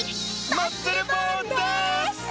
マッスルボーンです！